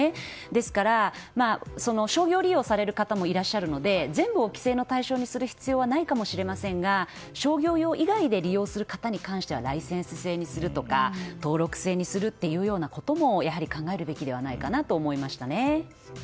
ですから、商業利用される方もいらっしゃるので全部を規制の対象にする必要はないかもしれませんが商業用以外で利用する方に関してはライセンス制にするとか登録制にするというようなこともやはり考えるべきではないかなと思いましたね。